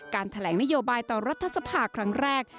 แถลงนโยบายต่อรัฐสภาครั้งแรก